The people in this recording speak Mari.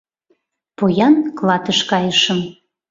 Поян клатыш кайышым.